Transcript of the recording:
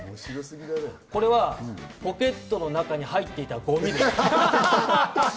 これはポケットの中に入っていたゴミです。